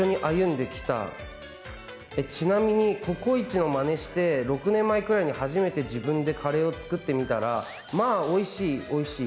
ちなみにココイチのまねして６年ぐらい前に初めて自分でカレーを作ってみたらまあ、おいしい、おいしい。